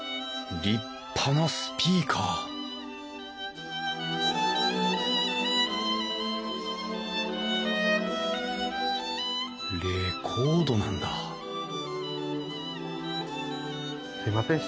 立派なスピーカーレコードなんだすいません。